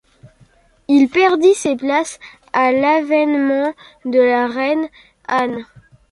Il perdit ses places à l'avènement de la reine Anne.